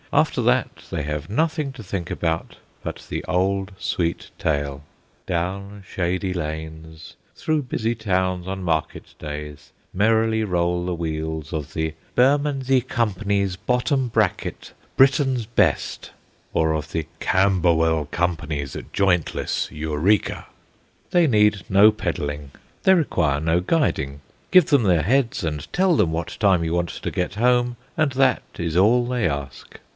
After that they have nothing to think about but the old sweet tale. Down shady lanes, through busy towns on market days, merrily roll the wheels of the "Bermondsey Company's Bottom Bracket Britain's Best," or of the "Camberwell Company's Jointless Eureka." They need no pedalling; they require no guiding. Give them their heads, and tell them what time you want to get home, and that is all they ask.